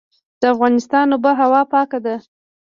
د افغانستان اوبه هوا پاکه ده